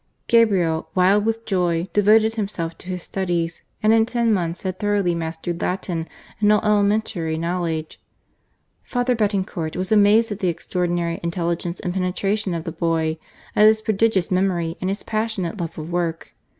Gabriel, wild with joy, devoted himself to his studies, and in ten months had thoroughly mastered Latin and all elementary knowledge. P. Betancourt was amazed at the extraordinary intelligence and penetration of the boy, at his prodigious memory, and his passionate love of work.